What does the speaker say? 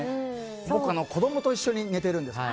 僕、子供と一緒に寝てるんですど